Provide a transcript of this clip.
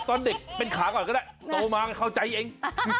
ตอนเด็กเป็นขาก่อนก็ได้โตมาเข้าใจเอง